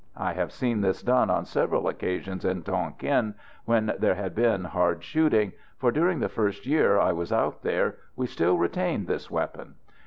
I have seen this done on several occasions in Tonquin when there had been hard shooting, for during the first year I was out there we still retained this weapon.